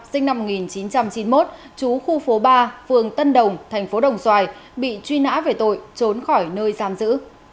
sinh năm một nghìn chín trăm chín mươi một trú khu phố ba phường tân đồng tp đồng xoài bị truy nã về tội trốn khỏi nơi giam giữ